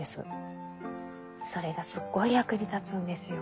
それがすごい役に立つんですよ。